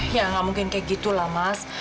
ya gak mungkin kayak gitu mas